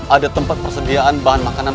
ada tempat persediaan bahan makanan